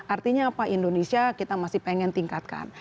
artinya indonesia kita masih ingin tingkatkan